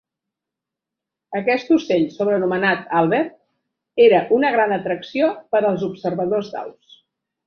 Aquest ocell, sobrenomenat "Albert", era una gran atracció per als observadors d'aus.